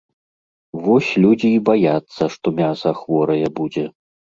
Вось людзі і баяцца, што мяса хворае будзе.